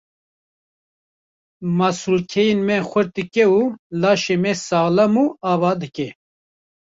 Masûlkeyên me xurt dike û laşê me saxlem û ava dike.